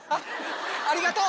ありがとう！